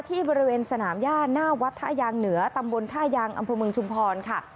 ที่บริเวณสนามย่าหน้าวัดท่ายางเหนือตำบลท่ายางอำเภอเมืองชุมพรค่ะ